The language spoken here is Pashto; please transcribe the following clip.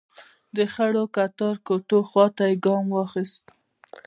د خړو کتار کوټو خواته يې ګام واخيست.